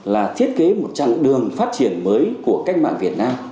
là thiết kế một chặng đường phát triển mới của cách mạng việt nam